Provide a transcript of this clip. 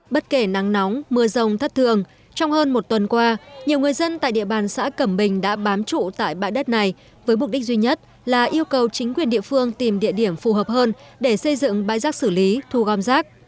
bất kể nắng nóng mưa rông thất thường trong hơn một tuần qua nhiều người dân tại địa bàn xã cẩm bình đã bám trụ tại bãi đất này với mục đích duy nhất là yêu cầu chính quyền địa phương tìm địa điểm phù hợp hơn để xây dựng bãi rác xử lý thu gom rác